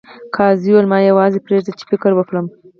قاضي وویل ما یوازې پریږدئ چې فکر وکړم.